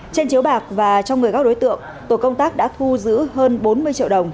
trên chiếu bạc và trong người các đối tượng tổ công tác đã thu giữ hơn bốn mươi triệu đồng